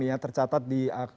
ya tercatat di akun